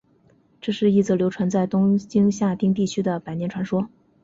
这是一则流传在东京下町地区的百年传说。